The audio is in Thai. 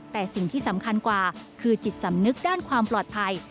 แต่สิ่งที่สำคัญกว่าคือจิตสำนึกด้านความปลอดภัย